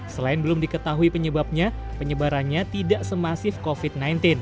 selain belum diketahui penyebabnya penyebarannya tidak semasif covid sembilan belas